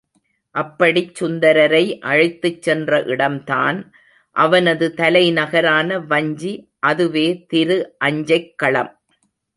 அப்படிச் சுந்தரரை அழைத்துச் சென்ற இடம்தான் அவனது தலைநகரான வஞ்சி, அதுவே திரு அஞ்சைக்களம்.